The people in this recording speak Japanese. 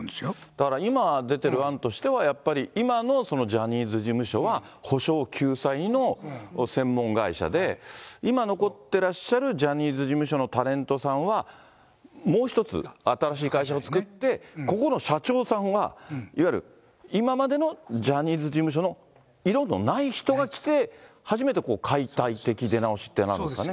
だから今出てる案としては、やっぱり今のジャニーズ事務所は補償、救済の専門会社で、今残ってらっしゃるジャニーズ事務所のタレントさんは、もう１つ、新しい会社を作って、ここの社長さんは、いわゆる今までのジャニーズ事務所の色のない人が来て、初めて解体的出直しってなるんですかね。